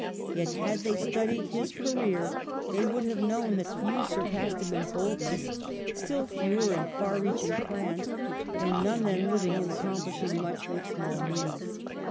Yet had they studied his career they would have known that few surpassed him in boldness, still fewer in far reaching plans, and none then living in accomplishing much with small means.